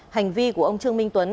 hành vi của ông trương minh tuấn